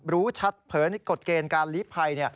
รู้ชัดเผินกฎเกณฑ์การลีภัย